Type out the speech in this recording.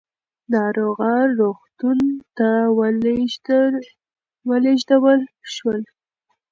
ناروغان روغتون ته ولېږدول شول.